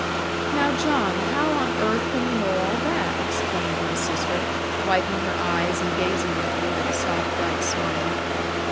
'Now, John, how on earth can you know all that?' exclaimed my sister, wiping her eyes, and gazing at me with a soft bright smile.